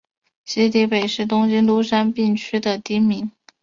西荻北是东京都杉并区的町名。